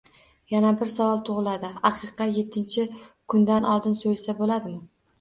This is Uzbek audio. Yana bir savol tug‘iladi: aqiqani yettinchi kundan oldin so‘ysa bo‘ladimi?